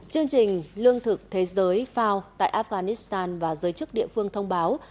chương trình lương thực thế giới fao tại afghanistan và giới chức địa phương thông báo